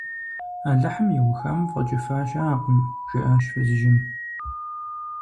- Алыхьым иухам фӀэкӀыфа щыӀэкъым, – жиӀащ фызыжьым.